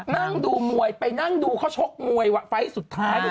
นั่งดูมวยไปนั่งดูเขาชกมวยไฟล์สุดท้ายเลย